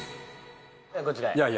こちらへ。